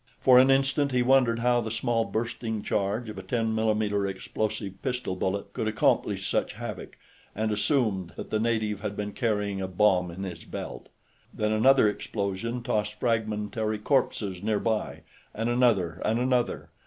For an instant, he wondered how the small bursting charge of a 10 mm explosive pistol bullet could accomplish such havoc, and assumed that the native had been carrying a bomb in his belt. Then another explosion tossed fragmentary corpses nearby, and another and another.